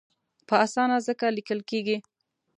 په اسانه ځکه لیکل کېږي.